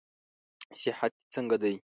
صحت دې څنګه دئ؟